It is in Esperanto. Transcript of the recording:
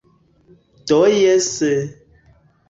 Do jes...